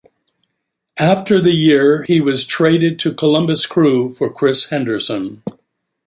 After the year, he was traded to Columbus Crew for Chris Henderson.